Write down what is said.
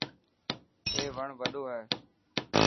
اي وڻ وڏو هي.